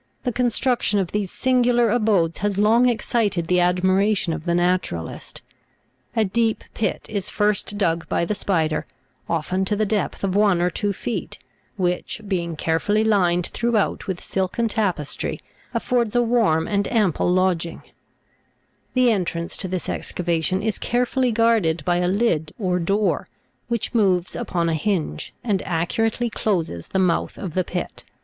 The construction of these singular abodes has long excited the admiration of the naturalist: a deep pit is first dug by the spider, often to the depth of one or two feet, which, being care fully lined throughout with silken tapestry, affords a warm and ample lodging ; the entrance to this excavation is carefully guarded by a lid or door, which moves upon a hinge, and accurately closes the mouth of the pit.